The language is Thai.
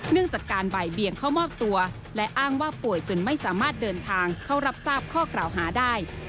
เรื่องจากการบ่ายเบียงเข้ามอบตัวและอ้างว่าป่วยจนไม่สามารถเดินทางเข้ารับทราบข้อกล่าวหาได้